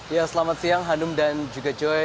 ya selamat siang hanum dan juga joy